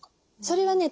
それはね